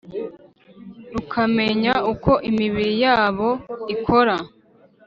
rukamenya uko imibiri yabo ikora